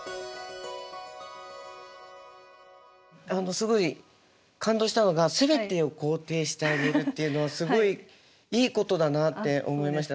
すごい感動したのがすべてを肯定してあげるっていうのはすごいいいことだなって思いました。